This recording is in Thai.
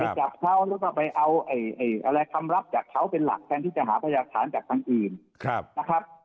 จับเขาแล้วก็ไปเอาคำรับจากเขาเป็นหลักแทนที่จะหาพยากฐานจากทางอื่นนะครับ